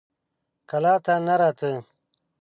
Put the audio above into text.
کلا ته نه راته.